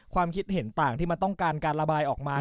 ความคิดเห็นต่างที่มันต้องการการระบายออกมา